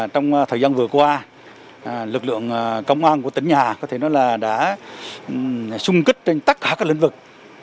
trong thời gian vừa qua lực lượng công an của tỉnh nhà đã xung kích trên tất cả các lĩnh vực